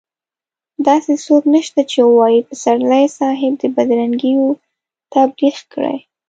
داسې څوک نشته چې ووايي پسرلي صاحب د بدرنګيو تبليغ کړی.